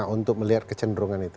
untuk melihat kecenderungan